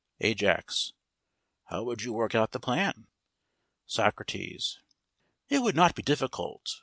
AJAX: How would you work out the plan? SOCRATES: It would not be difficult.